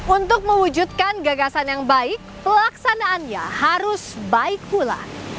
untuk mewujudkan gagasan yang baik pelaksanaannya harus baik pula